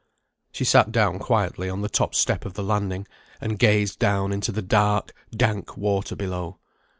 She sat down quietly on the top step of the landing, and gazed down into the dark, dank water below.